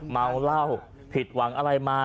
เมาเหล้าผิดหวังอะไรมา